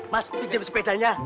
mas pinjam sepedanya